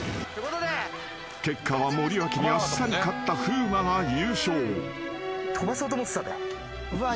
［結果は森脇にあっさり勝った風磨が優勝］